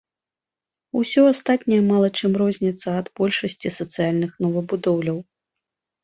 Усё астатняе мала чым розніцца ад большасці сацыяльных новабудоўляў.